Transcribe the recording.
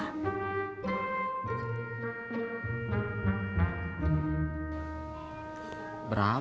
setahun kamu punya uang berapa